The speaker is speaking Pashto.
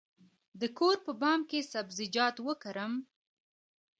د کور په بام کې سبزیجات وکرم؟